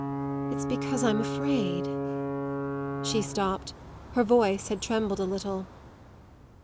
It's because I'm afraid." She stopped; her voice had trembled a little.